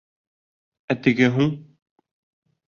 Ә теге һуң?